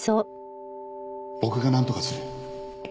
僕がなんとかする。